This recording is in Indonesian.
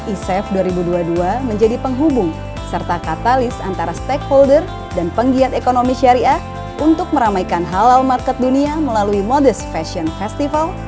isef dua ribu dua puluh dua menjadi penghubung serta katalis antara stakeholder dan penggiat ekonomi syariah untuk meramaikan halal market dunia melalui modest fashion festival